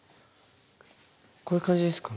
こういう感じですか？